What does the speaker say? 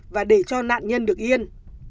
và để cho nạn nhân được yên